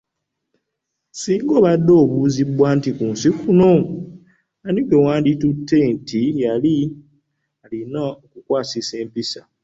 Singa obadde obuuziddwa nti ku nsi kuno, ani gwe wanditutte nti y'alina okukukwasisa empisa.